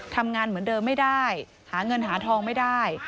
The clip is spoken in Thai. ทำงานเหมือนเดิมไม่ได้หาเงินหาทองไม่ได้